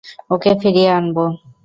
ওকে ফিরিয়ে আনব!